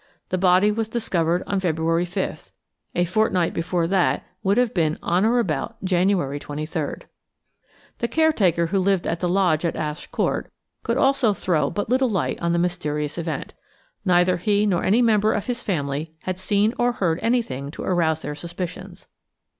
The body was discovered on February 5th–a fortnight before that would have been on or about January 23rd. The caretaker who lived at the lodge at Ash Court could also throw but little light on the mysterious event. Neither he nor any member of his family had seen or heard anything to arouse their suspicions.